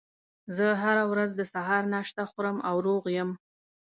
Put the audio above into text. زه هره ورځ د سهار ناشته خورم او روغ یم